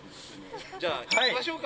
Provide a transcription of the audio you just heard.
じゃあ、行きましょうか。